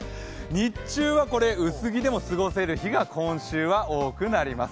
日中は薄着でも過ごせる日が今週は多くなります。